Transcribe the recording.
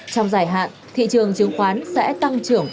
trong dài hạn thị trường chứng khoán sẽ tăng trưởng